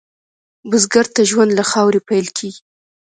بزګر ته ژوند له خاورې پیل کېږي